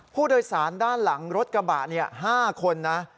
ผู้โดยสารด้านหลังรถกระบะ๕คนนะ